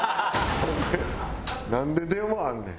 なんでなんで電話あるねん。